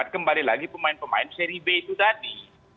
kembali lagi pemain pemain seri b itu tadi